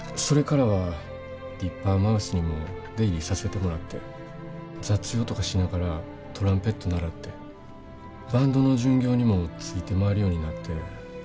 それからはディッパーマウスにも出入りさせてもらって雑用とかしながらトランペット習ってバンドの巡業にもついて回るようになって。